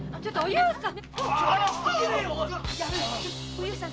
おゆうさん